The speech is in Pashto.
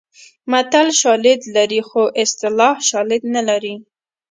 متل شالید لري خو اصطلاح شالید نه لري